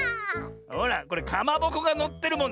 ほらこれかまぼこがのってるもんね。